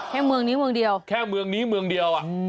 แค่เมืองนี้เมืองเดียวแค่เมืองนี้เมืองเดียว